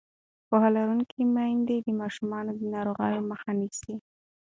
پوهه لرونکې میندې د ماشومانو د ناروغۍ مخه نیسي.